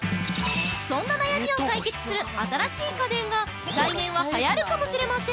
◆そんな悩みを解決する新しい家電が来年ははやるかもしれません！